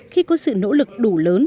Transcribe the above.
khi có sự nỗ lực đủ lớn